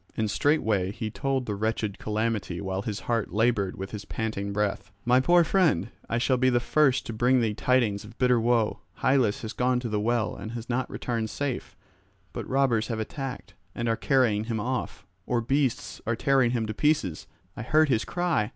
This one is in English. And straightway he told the wretched calamity while his heart laboured with his panting breath. "My poor friend, I shall be the first to bring thee tidings of bitter woe. Hylas has gone to the well and has not returned safe, but robbers have attacked and are carrying him off, or beasts are tearing him to pieces; I heard his cry."